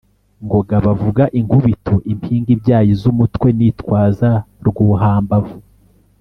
Ngoga bavuga inkubito impinga ibyaye iz’umutwe, nitwaza Rwuhambavu.